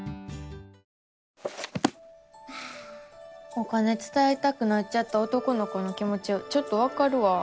お金つかいたくなっちゃった男の子の気もちちょっとわかるわ。